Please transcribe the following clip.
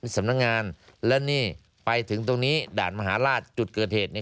สำนักงานและนี่ไปถึงตรงนี้ด่านมหาราชจุดเกิดเหตุเนี่ย